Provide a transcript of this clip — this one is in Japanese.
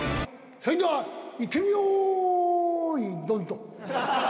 それではいってみ用意ドンと。